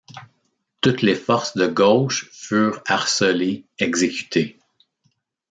Toutes les forces de gauche furent harcelées, exécutées.